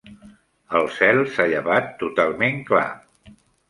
El cel s'ha llevat totalment clar.